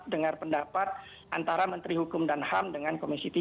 dengar pendapat antara menteri hukum dan ham dengan komisi tiga